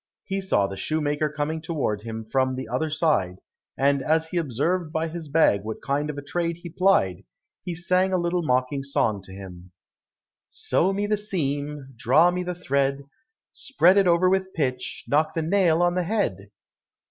He saw the shoemaker coming towards him from the other side, and as he observed by his bag what kind of a trade he plied, he sang a little mocking song to him, "Sew me the seam, Draw me the thread, Spread it over with pitch, Knock the nail on the head."